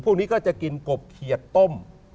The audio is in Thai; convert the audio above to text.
พวกนี้ก็จะกินกบเขียดต้ม